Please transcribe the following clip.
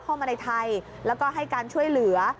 เข้ามาในไทยแล้วก็ให้การช่วยเหลือ